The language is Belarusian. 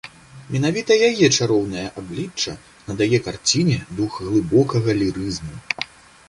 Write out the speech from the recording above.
Менавіта яе чароўнае аблічча надае карціне дух глыбокага лірызму.